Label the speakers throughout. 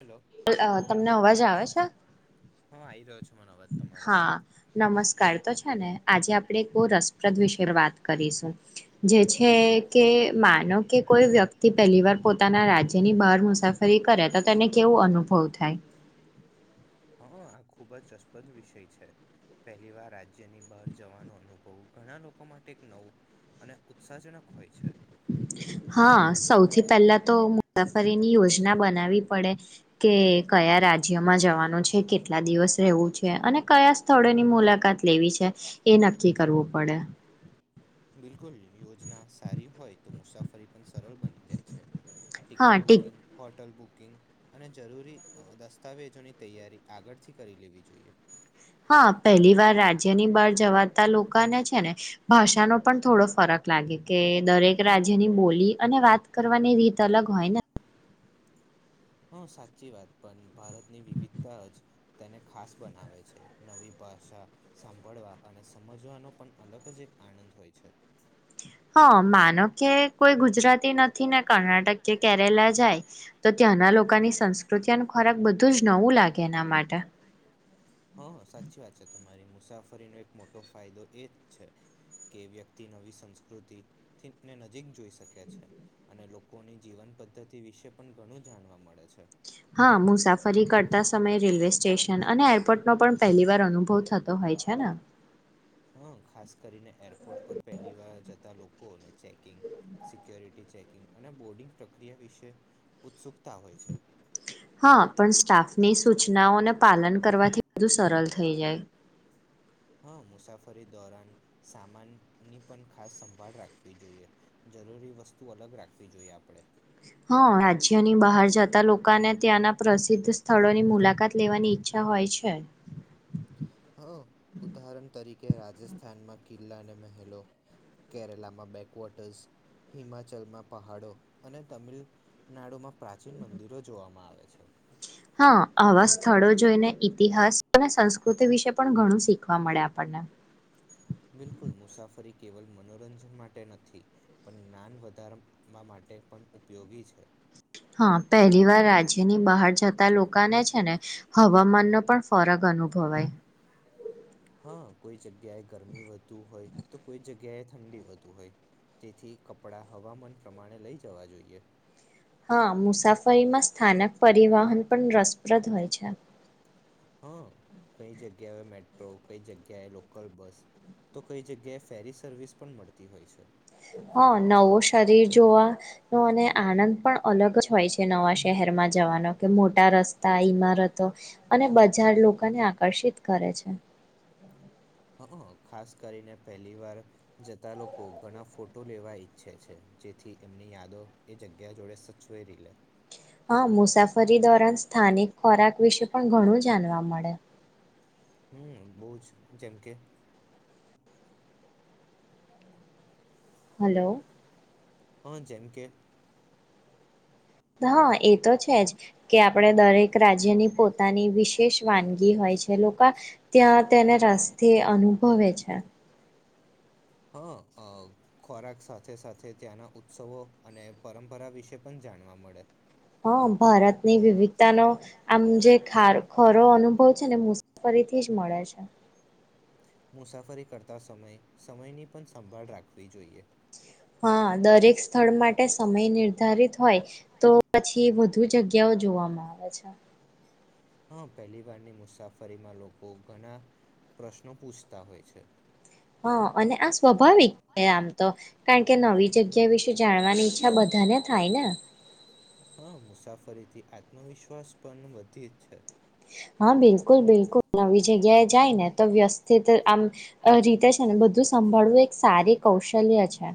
Speaker 1: Hello
Speaker 2: તમને અવાજ આવે છે
Speaker 1: હા આવી રહ્યો છે મને અવાજ તમારો
Speaker 2: હા નમસ્કાર તો છે ને આજે આપણે રસપ્રદ વિશે વાત કરીશું જે છે કે માનો કે કોઈ વ્યક્તિ પહેલી વાર પોતાના રાજ્યની બહાર મુસાફરી કરે તો તેને કેવું અનુભવ થાય
Speaker 1: હા આ ખૂબ જ રસપ્રદ વિષય છે પહેલી વાર રાજ્યની બહાર જવાનો અનુભવ ઘણા લોકો માટે એક નવું અને ઉત્સાહજનક હોય છે
Speaker 2: હા સૌથી પહેલા તો મોટા પરી ની યોજના બનાવી પડે કે કયા રાજ્યમાં જવાનું છે કેટલા દિવસ રહેવું છે અને કયા સ્થળોની મુલાકાત લેવી છે એ નક્કી કરવું પડે
Speaker 1: બિલકુલ યોજના સારી હોય તો મુસાફરી પણ સરળ બની જાય છે
Speaker 2: હા
Speaker 1: ticket
Speaker 2: tick
Speaker 1: booking hotel book અને જરૂરી દસ્તાવેજોની તૈયારી આગળથી કરી લેવી જોઈએ
Speaker 2: હા પહેલી વાર રાજ્યની બહાર જવાતા લોકોને છે ને ભાષાનો પણ થોડો ફરક લાગે કે દરેક રાજ્યની બોલી અને વાત કરવાની રીત અલગ હોય ને
Speaker 1: હા સાચી વાત પણ ભારતની વિવિધતા જ તેને ખાસ બનાવે છે નવી ભાષા સાંભળવા અને સમજવાનો પણ અલગ જ એક આનંદ હોય છે
Speaker 2: હા માનો કે કોઈ ગુજરાતી નથી ને કર્ણાટક કે કેરેલા જાય તો ત્યાંના લોકોની સંસ્કૃતિનું ખોરાક બધું જ નવું લાગે એના માટે
Speaker 1: હા સાચી વાત છે તમારી મુસાફરીનો એક મોટો ફાયદો એ જ છે કે વ્યક્તિ નવી સંસ્કૃતિને નજીક જોઈ શકે છે અને લોકોની જીવન પદ્ધતિ વિશે પણ ઘણું જાણવા મળે છે
Speaker 2: હા મુસાફરી કરતા સમયે રેલવે સ્ટેશન અને એરપોર્ટનો પણ પહેલી વાર અનુભવ થતો હોય છે ને
Speaker 1: હ ખાસ કરીને એરપોર્ટ પર પહેલી વાર જતા લોકોને ચેકિંગ સિક્યોરિટી ચેકિંગ અને બોર્ડિંગ પ્રક્રિયા વિશે ઉત્સુ
Speaker 2: હા પણ સ્ટાફ ની સૂચનાઓને પાલન કરવાથી બધુ સરળ થઈ જાય
Speaker 1: હા મુસાફરી દોરન સામાનની પણ ખાસ સંભાળ રાખવી જોઈએ જરૂરી વસ્તુ અલગ રાખવી જોઈએ આપણેે
Speaker 2: હા રાજ્યની બહાર જતા લોકોને ત્યાંના પ્રસિદ્ધ સ્થળોની મુલાકાત લેવાની ઈચ્છા હોય છે
Speaker 1: કે રાજસ્થાનમાં કિલ્લા અને મહેલો કેરલામાં બેકવોટર્સ હિમાચલમાં પહાડો અને તમિલનાડુમાં પ્રાચીન મંદિરો જોવામાં આવે છે અચ્છા
Speaker 2: ઇતિહાસ અને સંસ્કૃતિ વિશે પણ ઘણું શીખવા મળે આપણને
Speaker 1: બિલકુલ મુસાફરી કેવલ મનોરંજન માટે નથી પણ જ્ઞાન વધારવા માટે પણ ઉપયોગી છે
Speaker 2: હા પહેલી વાર રાજ્યની બહાર જતા લોકોને છે ને હવામાનનો પણ ફરક અનુભવાય
Speaker 1: હા કોઈ જગ્યાએ ગરમી વધુ હોય તો કોઈ જગ્યાએ ઠંડી વધુ હોય તેથી કપડા હવામાન પ્રમાણે લઈ જવા જોઈએ
Speaker 2: હા મુસાફરીમાં સ્થાનક પરિવહન પણ રસપ્રદ હોય છે
Speaker 1: હા કઈ જગ્યાએ મેટ્રો કઈ જગ્યાએ લોકલ બસ તો કઈ જગ્યાએ ફેરી સર્વિસ પણ મળતી હોય છે
Speaker 2: હા નવો શરીર જોવા અને આનંદ પણ અલગ જ હોય છે નવા શહેરમાં જવાનો કે મોટા રસ્તા ઈમારતો અને બજાર લોકોને આકર્ષિત કરે છે
Speaker 1: હા ખાસ કરીને પહેલી વાર જતા લોકો ઘણા ફોટો લેવા ઈચ્છે છે જેથી એમની યાદો એ જગ્યા જોડે સચવે ર લે
Speaker 2: હા મુસાફરી દોરન સ્થાનિક ખોરાક વિશે પણ ઘણું જાણવા મળે
Speaker 1: હમ બહ જ જેમ કે
Speaker 2: હલો
Speaker 1: હા જેમ કે
Speaker 2: હા એ તો છે જ કે આપણે દરેક રાજ્યની પોતાની વિશેષ વાનગી હોય છે લોકો ત્યાં તેને રસ્તે અનુભવે છે
Speaker 1: હા ખોરાક સાથે સાથે ત્યાંના ઉત્સવો અને પરંપરા વિશે પણ જાણવા મળે
Speaker 2: હા ભારતની વિવિધતાનો આમ જે ખરો અનુભવ છે ને મુસાફરીથી જ મળે છે
Speaker 1: મુસાફરી કરતા સમય સમયની પણ સંભાળ રાખવી જોઈએ
Speaker 2: હા દરેક સ્થળ માટે સમય નિર્ધારિત હોય તો પછી વધુ જગ્યાઓ જોવામાં આવે છે
Speaker 1: હા પહેલી વારની મુસાફરીમાં લોકો ઘણા પ્રશ્નો પૂછતા હોય છે
Speaker 2: હા અને આ સ્વાભાવિક એ આમ તો. કારણ કે નવી જગ્યા વિશે જાણવાની ઈચ્છા બધાને થાય ને.
Speaker 1: હા મુસાફરીથી આત્મવિશ્વાસ પણ વધી જ છે.
Speaker 2: હા બિલકુલ બિલકુલ નવી જગ્યાએ જાય ને તો વ્યવસ્થિત આમ રીતે છે ને બધું સંભાળવું એક સારી કૌશલ્ય છે.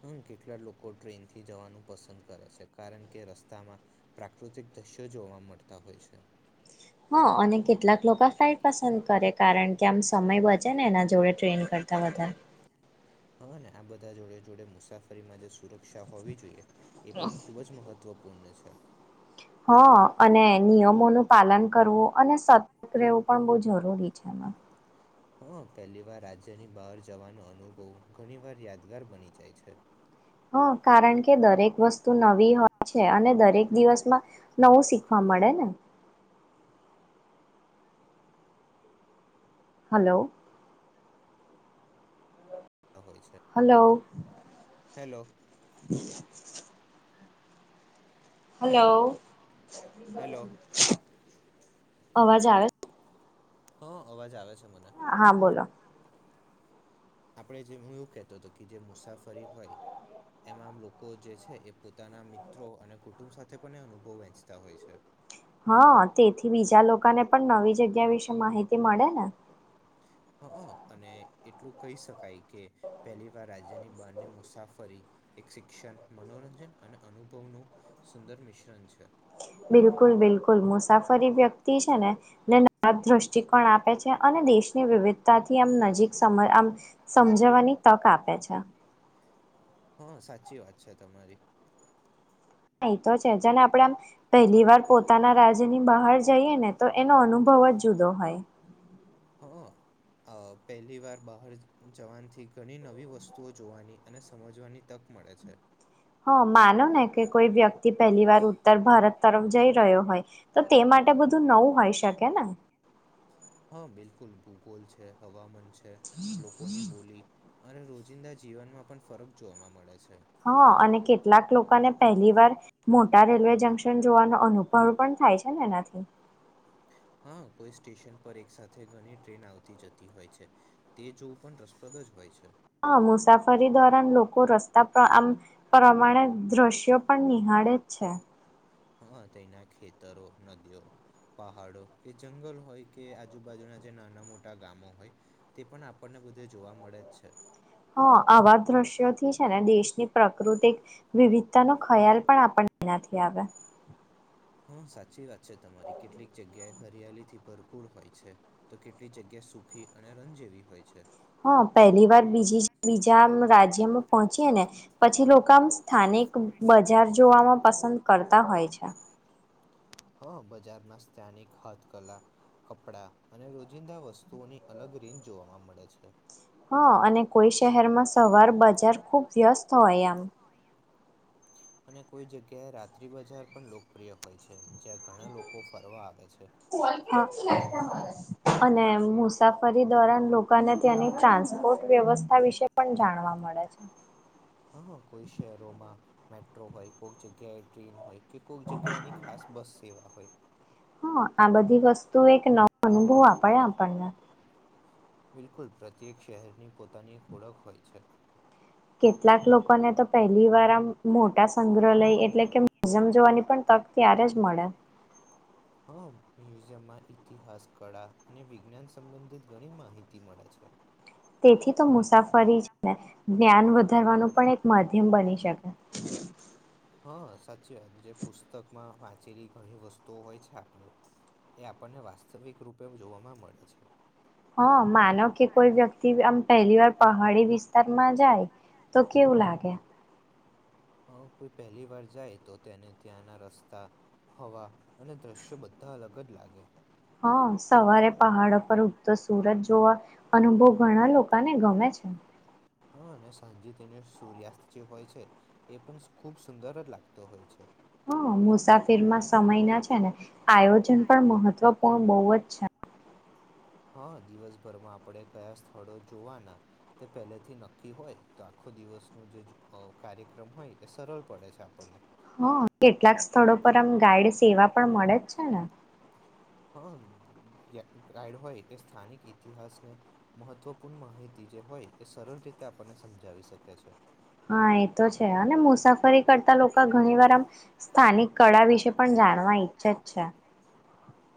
Speaker 1: હમ્મ કેટલા લોકો ટ્રેન થી જવાનું પસંદ કરે છે કારણ કે રસ્તામાં પ્રાકૃતિક દ્રશ્યો જોવા મળતા હોય છે.
Speaker 2: હા અને કેટલાક લોકો આ ફ્લાઇટ પસંદ કરે કારણ કે આમ સમય બચે ને એના જોડે ટ્રેન કરતા વધારે.
Speaker 1: હવે ને આ બધા જોડે જોડે મુસાફરીમાં જે સુરક્ષ ક્ષાહોવી જોઈએ એ પણ ખુબ જ મહત્વ પૂણ છે.
Speaker 2: હા અને નિયમોનું પાલન કરવું અને સતર્ક રહેવું પણ બહ જરૂરી છે એમાં.
Speaker 1: હા પહેલી વાર રાજ્યની બહાર જવાનો અનુભવ ઘણી વાર યાદગાર બની જાય છે.
Speaker 2: હ કારણ કે દરેક વસ્તુ નવી હોય છે અને દરેક દિવસમાં નવું શીખવા મળે ને. હલો.
Speaker 1: હોય છે
Speaker 2: hello.
Speaker 1: Hello
Speaker 2: hello.
Speaker 1: Hello hello
Speaker 2: અવાજ આવે?
Speaker 1: હા અવાજ આવે છે. મને
Speaker 2: હા બોલો.
Speaker 1: આપે જે હું એવું કેતો હતો કે જે મુસાફરી હોય એમાં લોકો જે છે એ પોતાના મિત્રો અને કુટુંબ સાથે પણ અનુભવ વેંચતા હોય છે.
Speaker 2: હા તેથી બીજા લોકોને પણ નવી જગ્યા વિશે માહિતી મળે ને.
Speaker 1: હ અને એટલું કહી શકાય કે પહેલી વાર રાજ્યની બાર ની મુસાફરી એક શિક્ષણ મનોરંજન અને અનુભવનુંું સુંદર મિશ્રણ છે.
Speaker 2: બિલકુલ બિલકુલ મુસાફરી વ્યક્તિ છે ને નેરાબ દ્રષ્ટિકોણ આપે છે અને દેશની વિવિધતાથી આમ નજીક સમ આમ સમજવાની તક આપે છે.
Speaker 1: હા સાચી વાત છે તમારી
Speaker 2: હા એતો છે જેને આપણેે આમ પહેલી વાર પોતાના રાજની બહાર જઈએ ને તો એનો અનુભવ જ જુદો હોય.
Speaker 1: હ પહેલી વાર બહાર જવાનથી ઘણી નવી વસ્તુઓ જોવાની અને સમજવાની તક મળે છે.
Speaker 2: હા માનો ને કે કોઈ વ્યક્તિ પહેલી વાર ઉત્તર ભારત તરફ જઈ રહ્યો હોય તો તે માટે બધું નવું હોય શકે ને.
Speaker 1: હા બિલકુલ ભૂગોલ છે હવામાન છે. લોકોની બોલી અને રોજિંદા જીવનમાં પણ ફરક જોવાવામાં મળે છે.
Speaker 2: હા અને કેટલાક લોકોને પહેલી વાર મોટા રેલવે જંક્શન જોવાનો અનુભવ પણ થાય છે ને એનાથી.
Speaker 1: હા કોઈ સ્ટેશન પર એક સાથે ઘણી ટ્રેન આવતી જતી હોય છે તે જોવું પણ રસપ્રદ જ હોય છે.
Speaker 2: હ મુસાફરી દોરાન લોકો રસ્તા પ્ર પ્રમાણે દ્રશ્યો પણ નિહાળે છે.
Speaker 1: હા તેના ખેતરો નદીઓ પહાડો કે જંગલ હોય કે આજુબાજુના જે નાના મોટા ગામો હોય તે પણ આપણને બધે જોવા મળે જ છે.
Speaker 2: હા આવા દ્રશ્યોથી છે ને દેશની પ્રાકૃતિક વિવિધતા નો ખ્યાલ પણ આપણને એનાથી આવે.
Speaker 1: હમ્મ સાચી વાત. છે તમારી કેટલીક જગ્યાએ હરિયાલીથી ભરપૂર હોય છે તો કેટલી જગ્યા સુખી અને રંગ જેવી હોય છે.
Speaker 2: હા પહેલી વાર બીજી બીજા રાજ્યમાં પહોંચી ને પછી લોકો આમ સ્થાનિક બજાર જોવામાં પસંદ કરતા હોય છે.
Speaker 1: હા બજારમાં સ્થાનિક હથકલા કપડા અને રોજિંદા વસ્તુઓની અલગ રીત જોવાવામાં મળે છે.
Speaker 2: હા અને કોઈ શહેરમાં સવાર બજાર ખુબ વ્યસ્ત હોય આમ.
Speaker 1: અને કોઈ જગ્યાએ રાત્રિ બજાર પણ લોકપ્રિય હોય છે જ્યાં ઘણા લોકો ફરવા આવે છે
Speaker 2: હા અને મુસાફરી દોરાન લોકોને ત્યાંની ટ્રાન્સપોર્ટ વ્યવસ્થા વિશે પણ જાણવા મળે છે
Speaker 1: હા કોઈ શહેરોમાં મેટ્રો હોય કોઈક જગ્યાએ ટ્રેન હોય કે કોઈક જગ્યાની ખાસ બસ સેવા હોય
Speaker 2: હ આ બધી વસ્તુ એક નવા ઓહ આપડ્યા આપણને
Speaker 1: બિલકુલ પ્રત્યેક શહેરની પોતાની એક ઓળખ હોય છે
Speaker 2: કેટલાક લોકોને તો પહેલી વાર આમ મોટ મોટા સંગ્રહાલય એટલે કે મ્યુઝિયમ જોવાની પણ તક ત્યારે જ મળે
Speaker 1: હ મ્યુઝિયમમાં ઈતિહાસ કળા અને વિજ્ઞાન સંબંધિત ઘણી માહિતી મળે છે
Speaker 2: તેથી તો મુસાફરી છે ને જ્ઞાન વધારવાનું પણ એક માધ્યમ બની શકે
Speaker 1: હા સાચી વાત જે પુસ્તકમાં વાંચેલી ઘણી વસ્તુઓ હોય છે આપણે એ આપણને વાસ્તવિક રૂપે જોવાવામાં મળે છે
Speaker 2: હા માનવ કે કોઈ વ્યક્તિમ પહેલી વાર પહાડી વિસ્તારમાં જાય તો કેવું લાગે
Speaker 1: હ કોઈ પહેલી વાર જાય તો તેને ત્યાંના રસ્તા હવા અને દ્રશ્યો બધા અલગ જ લાગે
Speaker 2: હા સવારે પહાડ પર ઉગતો સુરજ જોવા અનુભવ ઘણા લોકોને ગમે છે
Speaker 1: હા અને સાંજે તેનો સૂર્યાસ્ત જે હોય છે એ પણ ખુબ સુંદર જ લાગતો હોય છે
Speaker 2: હા મુસાફિરમાં સમય ના છે ને આયોજન પણ મહત્વપૂર્ણ બહુ જ છે
Speaker 1: હા દિવસભરમાં આપણે કયા સ્થળો જોવાના તે પહેલેથી નક્કી હોય તો આખો દિવસ ન જે કાર્યક્રમ હોય એ સરળ પડે છે આપણને
Speaker 2: હ કેટલાક સ્થળો પર આમ ગાઈડ સેવા પણ મળે જ છેને
Speaker 1: હા ગાઈડ હોય એ સ્થાનિક ઈતિહાસને મહત્વપૂર્ણ માહિતી જે હોય એ સરળ રીતે આપણને સમજાવી શકે છે
Speaker 2: હા એ તો છે અને મુસાફરી કરતા લોકો ઘણી વાર આમ સ્થાનિક કળા વિશે પણ જાણવા ઈચ્છે જ છે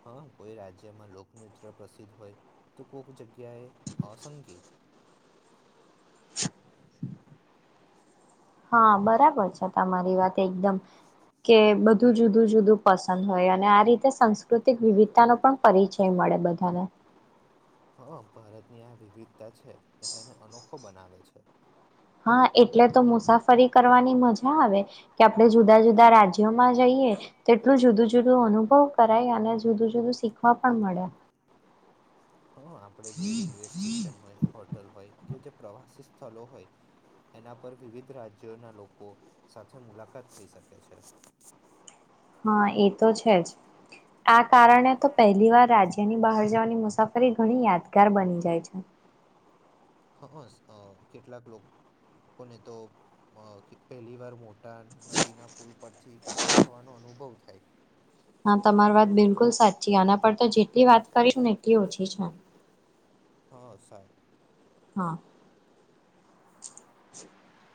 Speaker 1: હા કોઈ રાજ્યમાં લોકનૃત્ય પ્રસિદ્ધ હોય તો કોક જગ્યાએ અસંગીત
Speaker 2: હા બરાબર છે તમારી વાત એકદમ કે બધું જુદું જુદું પસંદ હોય અને આ રીતે સાસ્કૃતિક વિવિધતાનો પણ પરિચય મળે બધાને
Speaker 1: હા ભારતની આ વિવિધ છે એને અનો બનાવે છે.
Speaker 2: હા એટલે તો મુસાફરી કરવાની મજા આવે કે આપડણે જુદા જુદા રાજ્યોમાં જઈએ તો એટલું જુદું જુદો અનુભવ કરાઈ અને જુદું જુદું શીખવા પણ મળે
Speaker 1: હા આપણેે જે રેલવે સ્ટેશન હોય હોટલ હોય કે જે પ્રવાસી સ્થલો હોય એના પર વિવિધ રાજ્યોના લોકો સાથે મુલાકાત થઈ શકે છે.
Speaker 2: હા એ તો છે જ આ કારણે તો પહેલી વાર રાજ્યની બહાર જવાની મુસાફરી ઘણી યાદગાર બની જાય છે
Speaker 1: હ કેટલાક લોકોને તો પહેલી વાર મોટા નદીના પુલ પરથી પસાર થવાનો અનુભવ થાય
Speaker 2: હા તમાર વાત બિલકુલ સાચી આના પર તો જેટલી વાત કરી ને કે ઓ છેી જ
Speaker 1: હા સાચું
Speaker 2: હા [unintelligible] [inaudible]